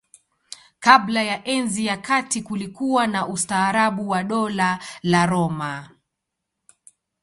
Kabla ya Enzi ya Kati kulikuwa na ustaarabu wa Dola la Roma.